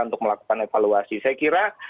untuk melakukan evaluasi saya kira